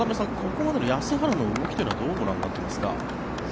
ここまでの安原の動きはどうご覧になっていますか。